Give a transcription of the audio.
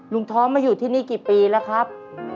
ท้องมาอยู่ที่นี่กี่ปีแล้วครับ